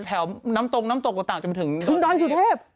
แถวน้ำตรงต่างจนถึงถึงดอยสุเทพ